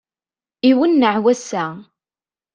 Iwenneɛ wass-a!